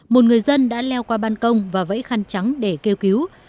một người dân đã leo qua ban công và vẫy khăn trắng để kêu cứu